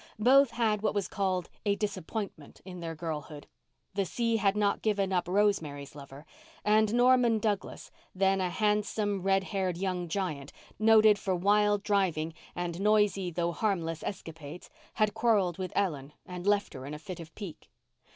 Both had what was called "a disappointment" in their girlhood. The sea had not given up Rosemary's lover; and Norman Douglas, then a handsome, red haired young giant, noted for wild driving and noisy though harmless escapades, had quarrelled with Ellen and left her in a fit of pique.